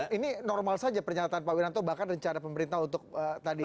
jadi ini normal saja pernyataan pak wiranto bahkan rencana pemerintah untuk tadi